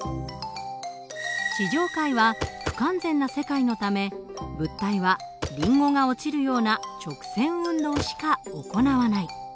地上界は不完全な世界のため物体はリンゴが落ちるような直線運動しか行わない。